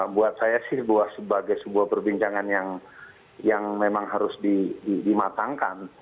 buat saya sih sebagai sebuah perbincangan yang memang harus dimatangkan